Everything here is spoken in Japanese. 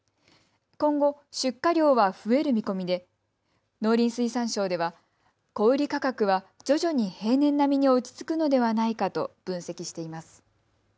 今後、出荷量は増える見込みで農林水産省では小売価格は徐々に平年並みに落ち着くのではないかと分析しています。